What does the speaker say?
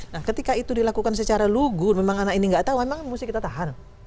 nah ketika itu dilakukan secara lugur memang anak ini nggak tahu memang mesti kita tahan